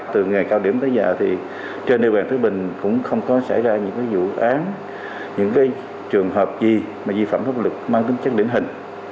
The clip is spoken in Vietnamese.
từ ngày cao điểm tới giờ thì trên địa bàn thứ bình cũng không có xảy ra những vụ án những trường hợp gì mà di phẩm thấp lực mang tính chất điển hình